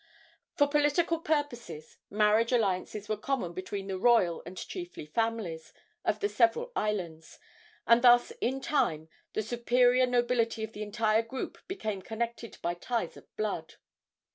For political purposes marriage alliances were common between the royal and chiefly families of the several islands, and thus in time the superior nobility of the entire group became connected by ties of blood.